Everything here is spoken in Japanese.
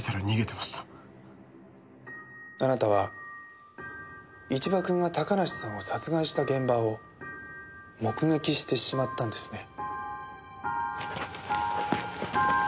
あなたは一場君が高梨さんを殺害した現場を目撃してしまったんですね。